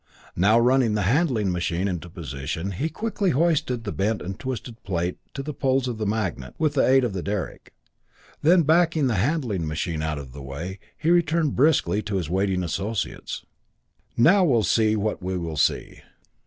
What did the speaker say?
Now, running the handling machine into position, he quickly hoisted the bent and twisted plate to the poles of the magnet, with the aid of the derrick. Then backing the handling machine out of the way, he returned briskly to his waiting associates. "Now we'll see what we will see!"